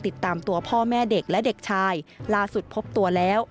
ติดตามตัวพ่อแม่เด็กและเด็กชายล่าสุดพบตัวแล้ว